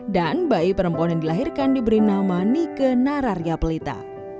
dan bayi perempuan yang dilahirkan diberi nama nika nararya pelita